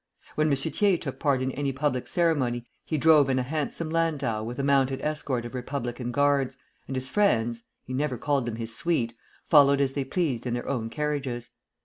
When M. Thiers took part in any public ceremony he drove in a handsome landau with a mounted escort of Republican Guards, and his friends (he never called them his suite) followed as they pleased in their own carriages.